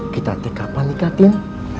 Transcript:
kita tek kapan nikah tim